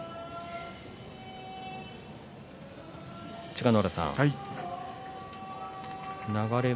千賀ノ浦さん、流れ